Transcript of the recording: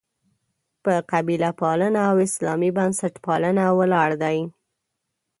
په «قبیله پالنه» او «اسلامي بنسټپالنه» ولاړ دي.